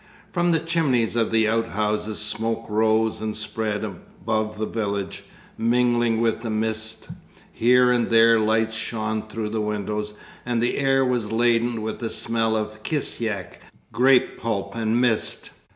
From the chimneys of the outhouses smoke rose and spread above the village, mingling with the mist. Here and there lights shone through the windows, and the air was laden with the smell of kisyak, grape pulp, and mist.